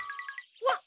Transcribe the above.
うわっ